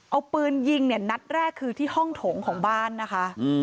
เอาปืนยิงเนี่ยนัดแรกคือที่ห้องโถงของบ้านนะคะ